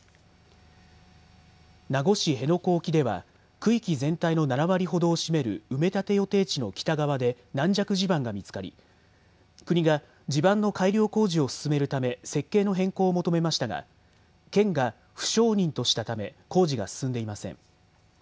名護市辺野古沖では区域全体の７割ほどを占める埋め立て予定地の北側で軟弱地盤が見つかり国が地盤の改良工事を進めるため設計の変更を求めましたが県が不承認としたため工事が進んでいません。